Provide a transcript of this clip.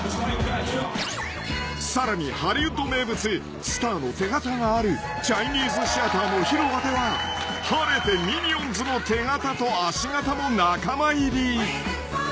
［さらにハリウッド名物スターの手形があるチャイニーズシアターの広場では晴れてミニオンズの手形と足形も仲間入り］